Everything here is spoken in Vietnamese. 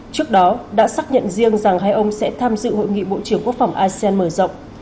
trước đó đã xác nhận riêng rằng hai ông sẽ tham dự hội nghị bộ trưởng quốc phòng asean mở rộng